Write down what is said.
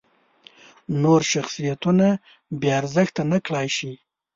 نور شخصیتونه بې ارزښته نکړای شي.